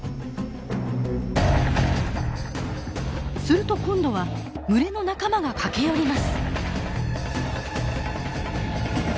すると今度は群れの仲間が駆け寄ります。